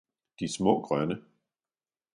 – de små grønne.